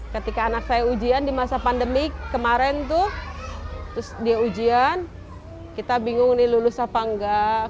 ketika anak saya ujian di masa pandemi kemarin tuh terus dia ujian kita bingung ini lulus apa enggak